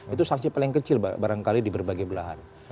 itu sanksi paling kecil barangkali di berbagai belahan